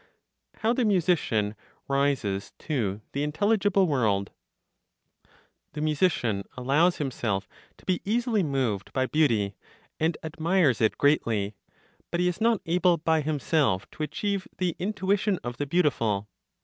HOW THE MUSICIAN RISES TO THE INTELLIGIBLE WORLD. The musician allows himself to be easily moved by beauty, and admires it greatly; but he is not able by himself to achieve the intuition of the beautiful.